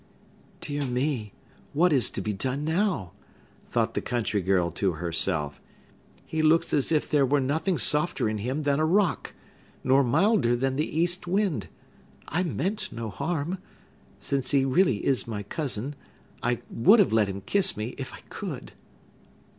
"Dear me! what is to be done now?" thought the country girl to herself. "He looks as if there were nothing softer in him than a rock, nor milder than the east wind! I meant no harm! Since he is really my cousin, I would have let him kiss me, if I could!"